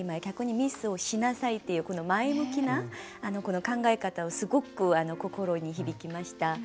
逆にミスをしなさいっていうこの前向きな考え方をすごく心に響きました。